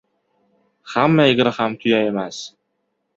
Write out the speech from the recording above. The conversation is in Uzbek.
• Hamma egri ham tuya emas.